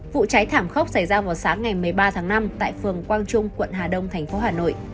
vụ cháy thảm khốc xảy ra vào sáng ngày một mươi ba tháng năm tại phường quang trung quận hà đông thành phố hà nội